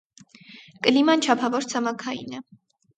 Կիլման չափավոր ցամաքային է։